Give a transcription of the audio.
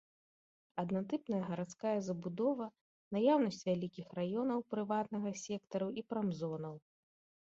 Аднатыпная гарадская забудова, наяўнасць вялікіх раёнаў прыватнага сектару і прамзонаў.